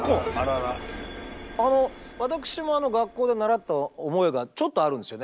私も学校で習った覚えがちょっとあるんですよね。